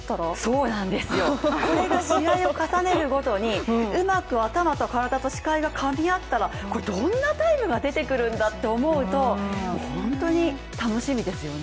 そうなんですよ、これが試合を重ねるとごにうまく頭と体と視界がかみ合ったら、これ、どんなタイムが出てくるんだって思うともう本当に楽しみですよね。